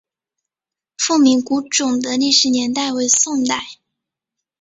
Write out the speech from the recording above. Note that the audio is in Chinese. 凤鸣古冢的历史年代为宋代。